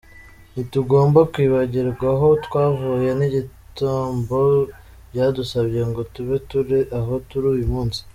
Ntitugomba kwibagirwa ho twavuye n’igitambo byadusabye ngo tube turi aho turi uyu munsi.